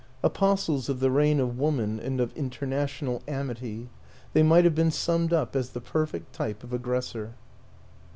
Apostles of the reign of Woman and of International Amity, they might have been summed up as the perfect type of aggressor.